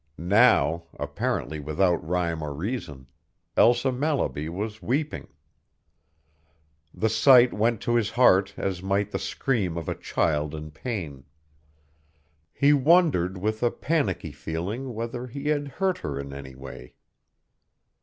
Now, apparently without rime or reason, Elsa Mallaby was weeping. The sight went to his heart as might the scream of a child in pain. He wondered with a panicky feeling whether he had hurt her in any way.